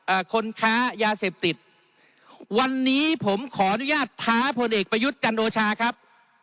คนค้ายาเสพติดวันนี้ผมขออนุญาตท้าพลเอกประยุทธ์จันโอชาครับ